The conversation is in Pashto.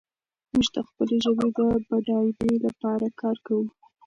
موږ د خپلې ژبې د بډاینې لپاره کار کوو.